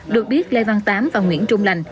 được biết lê văn tám và nguyễn trung lành